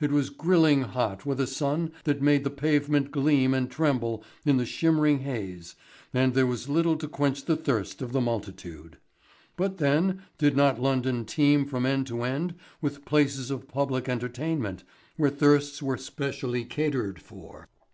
It was grilling hot with a sun that made the pavement gleam and tremble in the shimmering haze and there was little to quench the thirst of the multitude. But then did not London teem from end to end with places of public entertainment where thirsts were specially catered for?